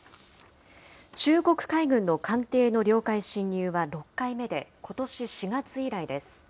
中国海軍の艦艇の領海侵入は６回目で、ことし４月以来です。